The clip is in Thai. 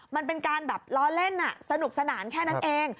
มันเป็นการแบบล้อเล่นสนุกสนานแค่นั้นเอง